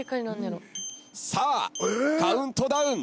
さあカウントダウン。